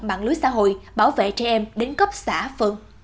bản lưới xã hội bảo vệ trẻ em đến cấp xã phượng